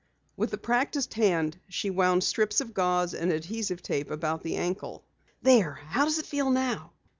With a practiced hand she wound strips of gauze and adhesive tape about the ankle. "There, how does it feel now?"